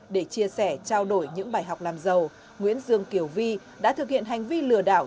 để chia sẻ trao đổi những bài học làm giàu nguyễn dương kiều vi đã thực hiện hành vi lừa đảo